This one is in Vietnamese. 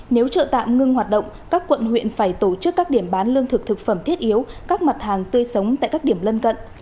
nếu chợ tạm ngưng hoạt động các quận huyện phải tổ chức các điểm bán lương thực thực phẩm thiết yếu các mặt hàng tươi sống tại các điểm lân cận